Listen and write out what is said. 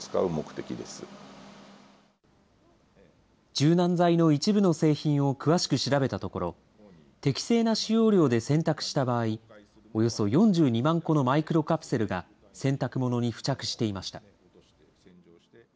柔軟剤の一部の製品を詳しく調べたところ、適正な使用量で洗濯した場合、およそ４２万個のマイクロカプセルが洗濯物に付着していました。